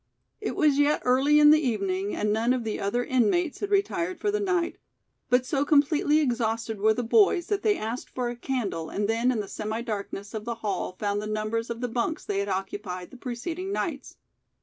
It was yet early in the evening and none of the other inmates had retired for the night, but so completely exhausted were the boys that they asked for a candle and then in the semi darkness of the hall found the numbers of the bunks they had occupied the preceding nights.